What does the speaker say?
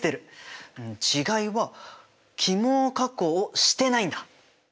違いは起毛加工してないんだ。